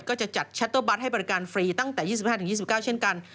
ก็จะจัดชัตเตอร์บัตรให้บริการฟรีตั้งแต่๒๕๒๙เช่นกัน